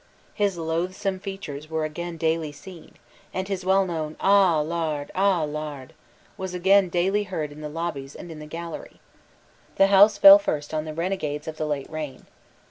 His loathsome features were again daily seen, and his well known "Ah Laard, ah Laard!" was again daily heard in the lobbies and in the gallery, The House fell first on the renegades of the late reign.